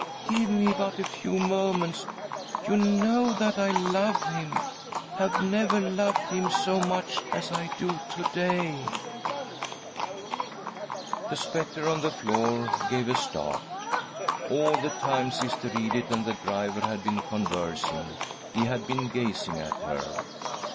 Give me but a few moments. You know that I love him, have never loved him so. much as' I do to day." ^..•■ 126 THY SOUL SHALL BEAR WITNESS ! The spectre on the floor gave a start! All the time Sister Edith and the driver had been conversing he had been gazing at her.